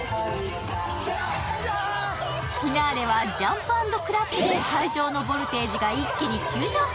フィナーレはジャンプ＆クラップで会場のボルテージが一気に急上昇。